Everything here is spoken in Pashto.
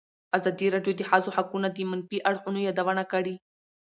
ازادي راډیو د د ښځو حقونه د منفي اړخونو یادونه کړې.